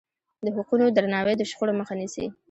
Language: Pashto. د حقونو درناوی د شخړو مخه نیسي.